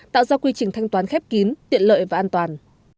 tạo ra quy trình thanh toán khép kín tiện lợi và an toàn